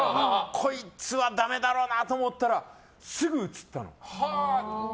こいつはダメだろうなと思ったらすぐ移ったの。